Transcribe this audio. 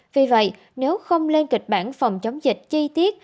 vì vậy nếu không lên kịch bản phòng chống dịch chi tiết